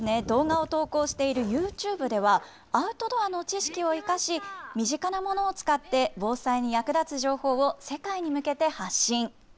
動画を投稿しているユーチューブでは、アウトドアの知識を生かし、身近なものを使って、防災に役立つ情報を世界に向けて発信。